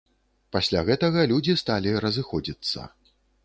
Пасля гэтага людзі сталі разыходзіцца.